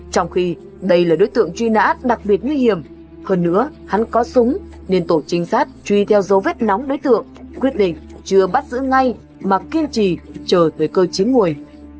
trong khi đây là đối tượng truy nã đặc biệt nguy hiểm hơn nữa hắn có súng nên tổ trinh sát truy theo dấu vết nóng đối tượng quyết định chưa bắt giữ ngay mà kiên trì chờ tới cơ chế ngồi